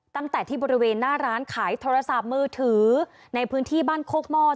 ตั้งแต่ที่บริเวณหน้าร้านขายโทรศัพท์มือถือในพื้นที่บ้านโคกมอด